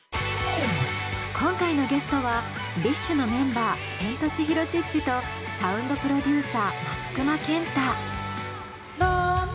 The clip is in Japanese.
今回のゲストはＢｉＳＨのメンバーセントチヒロ・チッチとサウンドプロデューサー松隈ケンタ。